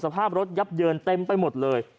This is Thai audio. สภาพรถยับเยินเต็มไปหมดเลย